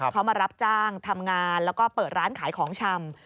เขามารับจ้างทำงานแล้วก็เปิดร้านขายของชำ